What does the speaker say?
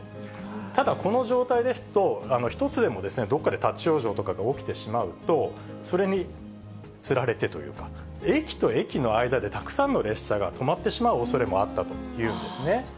ただこの状態ですと、１つでも、どこかで立往生とかが起きてしまうと、それにつられてというか、駅と駅の間で、たくさんの列車が止まってしまうおそれもあったというんですね。